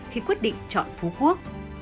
khi quyết định chọn phú quốc